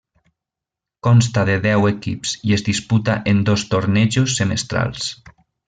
Consta de deu equips i es disputa en dos tornejos semestrals: